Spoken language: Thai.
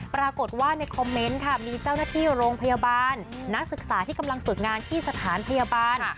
ปรากฏว่าในคอมเมนต์ค่ะมีเจ้าหน้าที่โรงพยาบาลนักศึกษาที่กำลังฝึกงานที่สถานพยาบาล